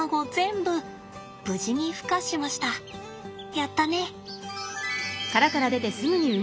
やったね。